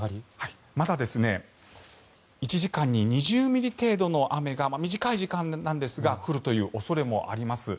まだ１時間に２０ミリ程度の雨が短い時間なんですが降るという恐れもあります。